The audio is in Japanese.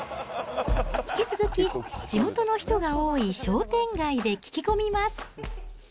引き続き地元の人が多い商店街で聞き込みます。